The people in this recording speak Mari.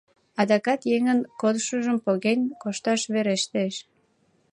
— Адакат еҥын кодшыжым поген кошташ верештеш».